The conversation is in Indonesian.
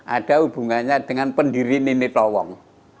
ada hubungannya dengan pendiri nini tawang